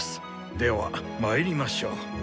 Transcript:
では参りましょう。